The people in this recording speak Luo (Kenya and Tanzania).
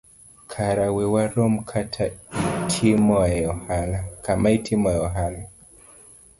kara we warom kama itimoe ohala.